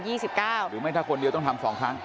หรือไม่ถ้าคนเดียวต้องทำ๒ครั้ง